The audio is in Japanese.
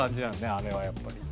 あれはやっぱり。